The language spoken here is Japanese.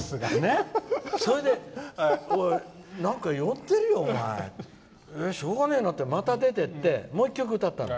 それで俺、なんか呼んでるよってしょうがないなってまた出てってもう１曲歌ったの。